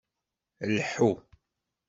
Lḥu!